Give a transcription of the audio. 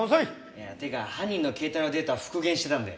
いやていうか犯人の携帯のデータ復元してたんで。